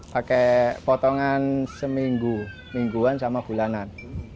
pakai potongan seminggu mingguan sama bulanan